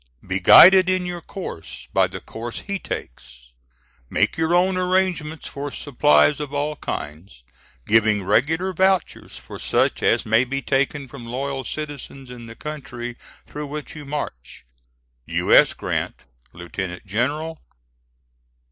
Be guided in your course by the course he takes. "Make your own arrangements for supplies of all kinds, giving regular vouchers for such as may be taken from loyal citizens in the country through which you march. "U. S. GRANT, Lieutenant General.